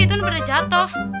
itu berde jatuh